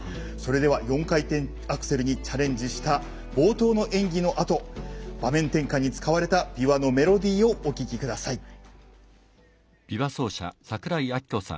それでは４回転アクセルにチャンレンジした冒頭の演技のあと場面転換に使われた琵琶のメロディーをお聴きください。